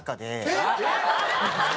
えっ！